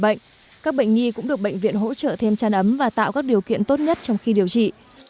bệnh viện k cũng được bệnh viện hỗ trợ thêm chăn ấm và tạo các điều kiện tốt nhất trong khi điều trị